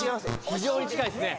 非常に近いですね。